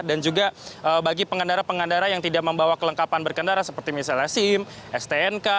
dan juga bagi pengendara pengendara yang tidak membawa kelengkapan berkendara seperti misalnya sim stnk